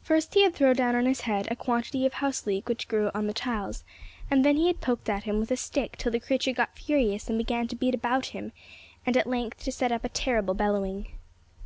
First he had thrown down on his head a quantity of house leek which grew on the tiles, and then he had poked at him with a stick till the creature got furious and began to beat about him, and at length to set up a terrible bellowing.